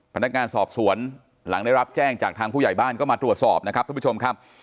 พนักงานสอบสวนหลังได้รับแจ้งจากทางผู้ใหญ่บ้านก็มาตรวจสอบนะครับท่านผู้ชมครับ